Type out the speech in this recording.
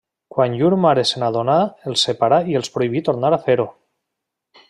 Quan llur mare s'adonà els separà i els prohibí tornar a fer-ho.